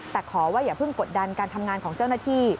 แต่ขอว่าอย่าเพิ่งกดดันการทำงานของเจ้าหน้าที่